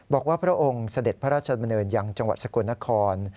พระองค์เสด็จพระราชดำเนินยังจังหวัดสกลนคร